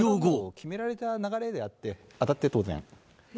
決められた流れであって、当たって当然。